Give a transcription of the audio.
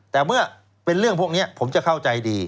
แต่เมื่อเป็นเรื่องพวกนี้ผมจะเข้าใจดี